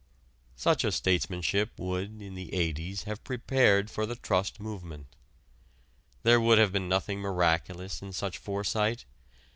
Such a statesmanship would in the '80's have prepared for the trust movement. There would have been nothing miraculous in such foresight.